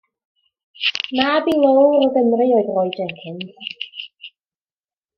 Mab i löwr o Gymru oedd Roy Jenkins.